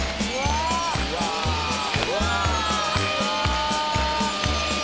うわ。